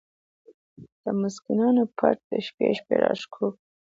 د مسکينانو نه پټ د شپې شپې را شکوو!!.